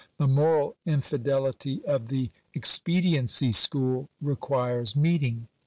The moral infidelity of the expediency school requires meeting.